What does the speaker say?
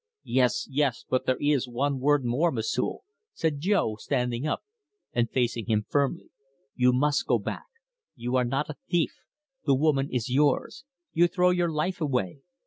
"Yes, yes, but there is one word more, M'sieu'," said Jo, standing up and facing him firmly. "You must go back. You are not a thief. The woman is yours. You throw your life away.